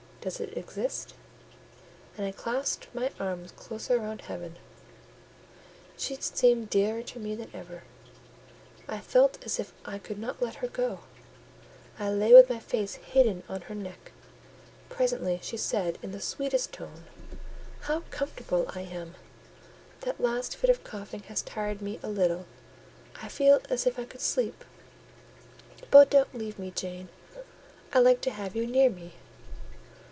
Does it exist?" And I clasped my arms closer round Helen; she seemed dearer to me than ever; I felt as if I could not let her go; I lay with my face hidden on her neck. Presently she said, in the sweetest tone— "How comfortable I am! That last fit of coughing has tired me a little; I feel as if I could sleep: but don't leave me, Jane; I like to have you near me."